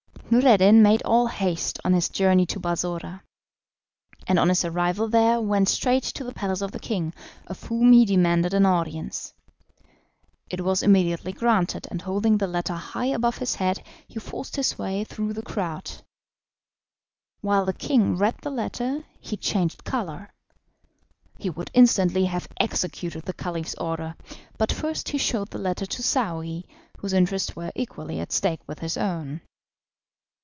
Noureddin made all haste on his journey to Balsora, and on his arrival there went straight to the palace of the king, of whom he demanded an audience. It was immediately granted, and holding the letter high above his head he forced his way through the crowd. While the king read the letter he changed colour. He would instantly have executed the Caliph's order, but first he showed the letter to Saouy, whose interests were equally at stake with his own.